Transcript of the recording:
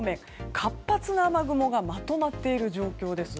活発な雨雲がまとまっている状況です。